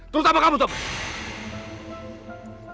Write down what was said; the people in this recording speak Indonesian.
terus apa kamu sobat